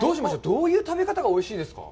どういう食べ方がおいしいですか。